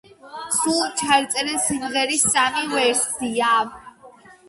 სულ ჩაიწერა სიმღერის სამი ვერსია.